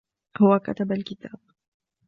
هو كتب الكتاب.